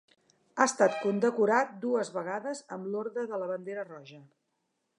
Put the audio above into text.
Ha estat condecorat dues vegades amb l'Orde de la Bandera Roja.